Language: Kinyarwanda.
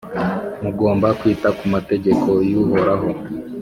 mugomba kwita ku mategeko y’Uhoraho.